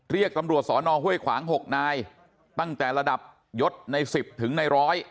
เรียกตำรวจสอนอห้วยขวาง๖นายตั้งแต่ระดับยศใน๑๐ถึงในร้อย